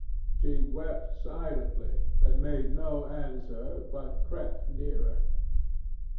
She wept silently, and made no answer, but crept nearer.